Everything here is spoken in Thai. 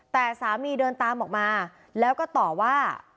แต่สามีเดินตามออกมาแล้วก็ต่อว่า